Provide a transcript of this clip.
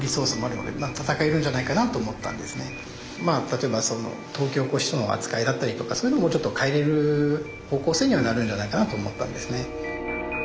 例えば東京拘置所の扱いだったりとかそういうのもちょっと変えれる方向性にはなるんじゃないかなと思ったんですね。